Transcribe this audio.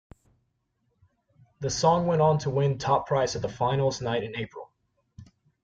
The song went on to win top prize at the finals night in April.